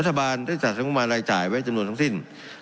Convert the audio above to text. รัฐบาลด้านความสัมพันธศาสตร์ลงมารายจ่ายไว้จำนวนทั้งสิ้น